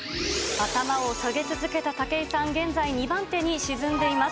頭を下げ続けた武井さん、現在２番手に沈んでいます。